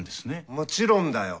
もちろんだよ。